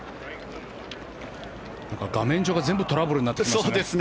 画面上が全部トラブルになってますね。